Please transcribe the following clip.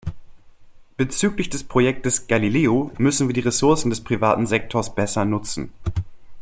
Bezüglich des Projektes Galileo müssen wir die Ressourcen des privaten Sektors besser nutzen.